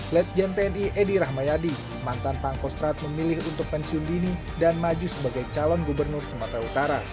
letjen tni edi rahmayadi mantan pangkostrat memilih untuk pensiun dini dan maju sebagai calon gubernur sumatera utara